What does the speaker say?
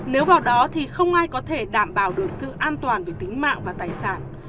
nếu vào đó thì không ai có thể đảm bảo được sự an toàn về tính mạng và tài sản